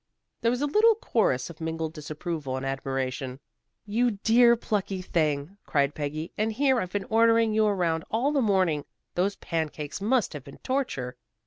There was a little chorus of mingled disapproval and admiration. "You dear plucky thing!" cried Peggy. "And here I've been ordering you around all the morning. Those pan cakes must have been torture."